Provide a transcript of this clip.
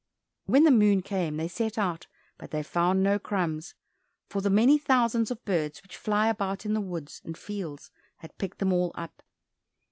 When the moon came they set out, but they found no crumbs, for the many thousands of birds which fly about in the woods and fields had picked them all up.